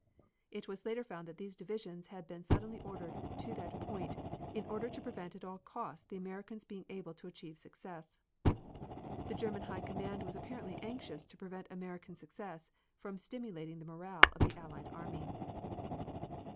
It was later found that these divisions had been suddenly ordered to that point "in order to prevent at all costs the Americans being able to achieve success." The German High Command was apparently anxious to prevent American success from stimulating the morale of the Allied army.